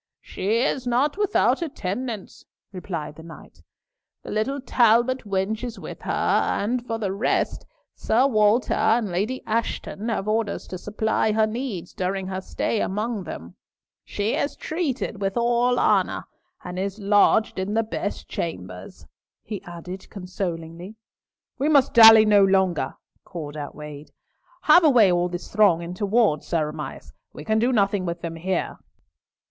"She is not without attendance," replied the knight, "the little Talbot wench is with her, and for the rest, Sir Walter and Lady Ashton have orders to supply her needs during her stay among them. She is treated with all honour, and is lodged in the best chambers," he added, consolingly. "We must dally no longer," called out Wade. "Have away all this throng into ward, Sir Amias. We can do nothing with them here."